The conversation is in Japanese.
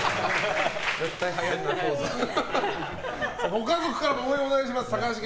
ご家族からも応援お願いします。